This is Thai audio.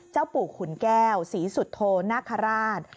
เจ้าปู่ขุนแก้วศรีสุทโทนาคาราช